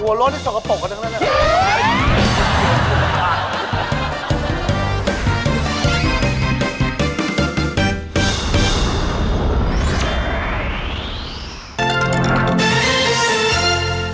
หัวโล่นที่ส่งกระป๋องกันด้วยเลย